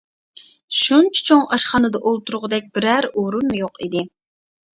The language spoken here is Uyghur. شۇنچە چوڭ ئاشخانىدا ئولتۇرغۇدەك بىرەر ئورۇنمۇ يوق ئىدى.